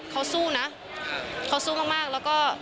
เขาสู้นะเขาสู้มากแล้วก็